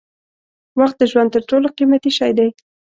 وخت د ژوند تر ټولو قیمتي شی دی.